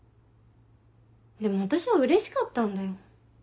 でも私はうれしかったんだよ。